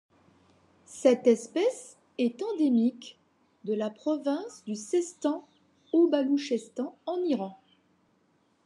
Cette espèce est endémique de la province du Seistan-o-Balouchestan en Iran.